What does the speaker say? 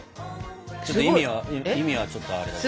ちょっと意味は意味はちょっとあれだけど。